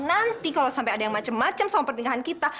nanti kalo sampe ada yang macem macem sama pertinggahan kita